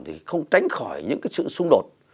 thì không tránh khỏi những cái sự xung đột